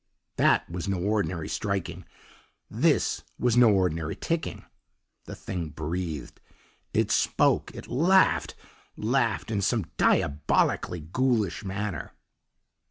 That was no ordinary striking THIS was no ordinary ticking. The thing breathed, it spoke, it laughed laughed in some diabolically ghoulish manner.